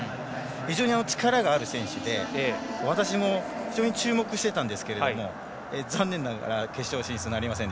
非常に力がある選手で私も非常に注目してたんですが残念ながら決勝進出